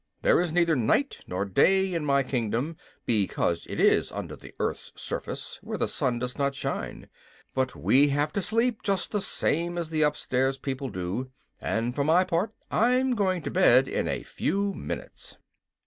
There is neither night nor day in my kingdom, because it is under the earth's surface, where the sun does not shine. But we have to sleep, just the same as the up stairs people do, and for my part I'm going to bed in a few minutes."